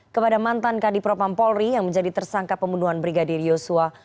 kepada mantan kadipropam polri yang menjadi tersangka pembunuhan brigadir yosua